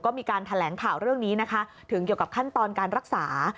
ก็มีการแถลงข่าวเรื่องนี้นะคะถึงเกี่ยวกับขั้นตอนการรักษา